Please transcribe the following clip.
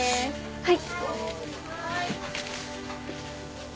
はい！